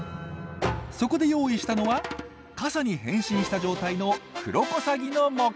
そこで用意したのは傘に変身した状態のクロコサギの模型！